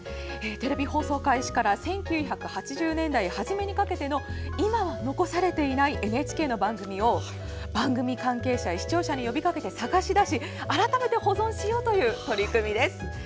テレビ放送開始から１９８０年代初めにかけての今は残されていないＮＨＫの番組を番組関係者や視聴者に呼びかけて探し出し改めて保存しようという取り組みです。